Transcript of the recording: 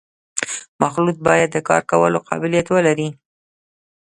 مخلوط باید د کار کولو قابلیت ولري